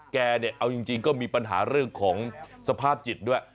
แกเนี่ยเอาจริงก็มีปัญหาเรื่องของสภาพจิตด้วย